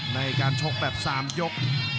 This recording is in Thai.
ในการชกแบบ๓ยก